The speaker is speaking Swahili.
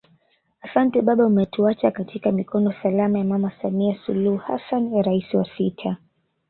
Asante baba umetuacha katika mikono salama ya Mama Samia Suluhu Hassan Rais wa sita